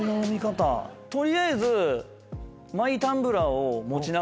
取りあえず。